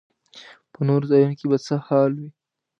په نورو ځایونو کې به څه حال وي.